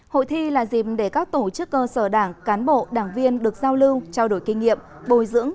hội thi là dịp để các tổ chức cơ sở đảng cán bộ đảng viên được giao lưu trao đổi kinh nghiệm bồi dưỡng